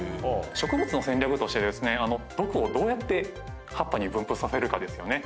植物の戦略として、毒をどうやって葉っぱに分布させるかですよね。